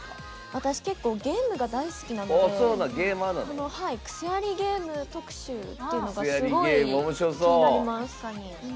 私、結構ゲームが大好きなのでクセありゲーム特集というのがすごい気になります。